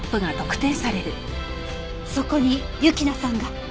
そこに雪菜さんが。